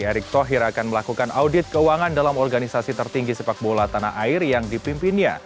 erick thohir akan melakukan audit keuangan dalam organisasi tertinggi sepak bola tanah air yang dipimpinnya